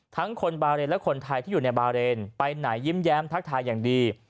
ทั้งคนบาเรนและคนไทยที่อยู่ในบาเรนไปไหนยิ้มแย้มทักทายอย่างดี